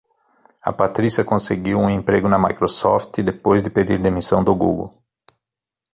A Patrícia conseguiu um emprego na Microsoft depois de pedir demissão do Google.